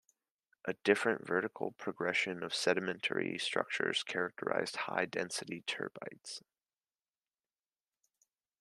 A different vertical progression of sedimentary structures characterize high-density turbidites.